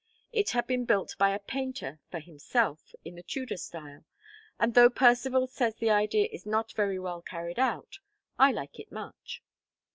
It had been built by a painter for himself, in the Tudor style; and though Percivale says the idea is not very well carried out, I like it much.